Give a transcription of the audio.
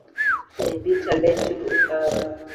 Ibita lechu huhara.